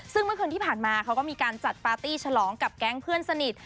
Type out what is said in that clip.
ซึ่งเมื่อคืนที่ผ่านมาเขาก็มีการจัดปาร์ตี้ฉลองกับแก๊งเพื่อนสนิท